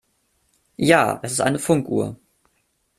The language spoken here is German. Ja, es ist eine Funkuhr.